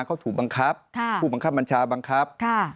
เขาถูกบังคับผู้บังคับบัญชาบังคับ